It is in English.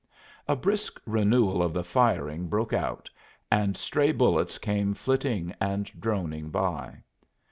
A brisk renewal of the firing broke out and stray bullets came flitting and droning by.